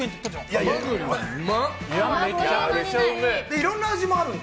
いろんな味もあるので。